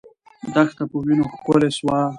دښته په وینو ښکلې سوه.